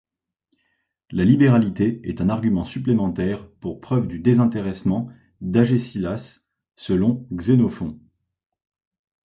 La libéralité est un argument supplémentaire pour preuve du désintéressement d’Agésilas selon Xénophon.